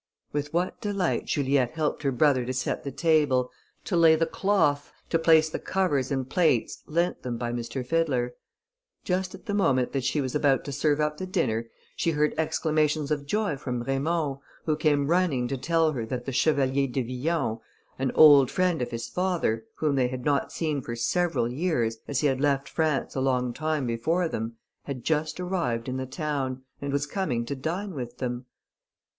With what delight Juliette helped her brother to set the table, to lay the cloth, to place the covers and plates lent them by M. Fiddler. Just at the moment that she was about to serve up the dinner, she heard exclamations of joy from Raymond, who came running to tell her that the Chevalier de Villon, an old friend of his father, whom they had not seen for several years, as he had left France a long time before them, had just arrived in the town, and was coming to dine with them.